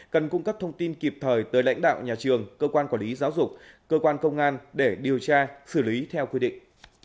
cần cung cấp thông tin kịp thời tới lãnh đạo nhà trường cơ quan quản lý giáo dục cơ quan công an để điều tra xử lý theo quy định